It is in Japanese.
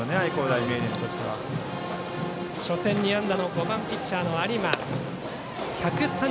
打席は初戦、２安打の５番ピッチャー、有馬。